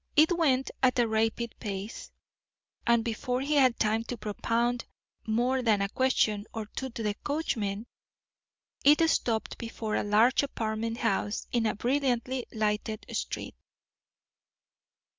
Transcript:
It went at a rapid pace, and before he had time to propound more than a question or two to the coachman, it stopped before a large apartment house in a brilliantly lighted street.